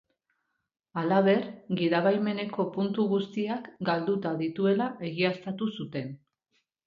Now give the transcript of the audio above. Halaber, gidabaimeneko puntu guztiak galduta dituela egiaztatu zuten.